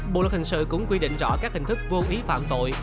bộ luật hình sự cũng quy định rõ các hình thức vô ý phạm tội